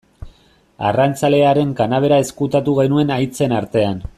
Arrantzalearen kanabera ezkutatu genuen haitzen artean.